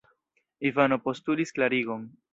Ivano postulis klarigon.